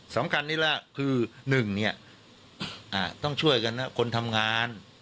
ซ้ำคัญนี้แหละคือ๑ต้องช่วยช่วยคนทำงาน